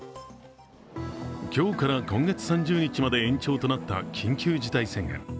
今日から今月３０日まで延長となった緊急事態宣言。